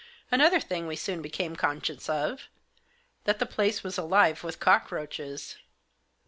Another thing we soon became conscious of — that the place was alive with cock roaches.